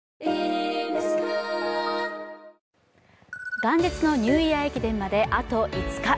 元日のニューイヤー駅伝まであと５日。